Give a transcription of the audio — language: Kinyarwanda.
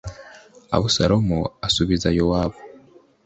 abusalomu asubiza yowabu